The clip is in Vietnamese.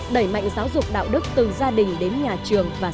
đẩy mạnh giáo dục đạo đức từ gia đình đến nhà trường và xã hội